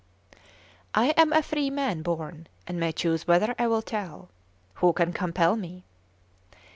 I am a free man born, and may choose whether I will tell; who can compel me?